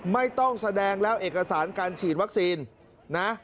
ไม่ต้องแสดงแล้วเอกสารการฉีดวัคซีนนะ